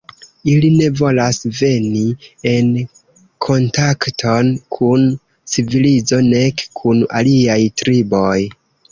Ili ne volas veni en kontakton kun civilizo nek kun aliaj triboj.